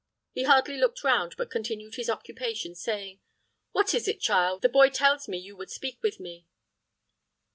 He hardly looked round, but continued his occupation, saying, "What is it, child? The boy tells me you would speak with me."